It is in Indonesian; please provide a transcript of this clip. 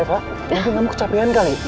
eva mungkin kamu kecapean kali